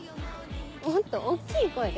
もっと大っきい声で！